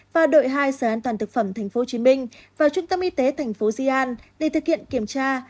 và đội hai sở an toàn thực phẩm tp hcm và trung tâm y tế tp gian để thực hiện kiểm tra